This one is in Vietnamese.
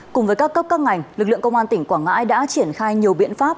cùng với các cấp các ngành lực lượng công an tỉnh quảng ngãi đã triển khai nhiều biện pháp